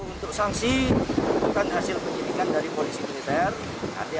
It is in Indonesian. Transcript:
untuk sanksi bukan hasil penyidikan dari polisi militer